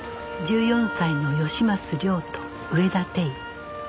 １４歳の吉益亮と上田悌